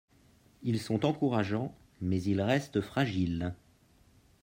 Ils sont encourageants, mais ils restent fragiles.